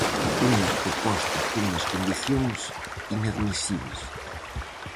Unha proposta cunhas condicións inadmisibles.